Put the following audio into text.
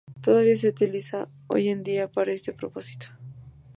Todavía se utiliza hoy en día para este propósito.